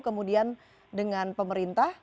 kemudian dengan pemerintah